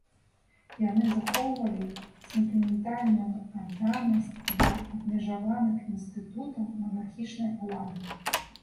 Яны захоўвалі сентыментальную адданасць да абмежаваных інстытутаў манархічнай улады.